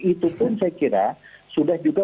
itu pun saya kira sudah juga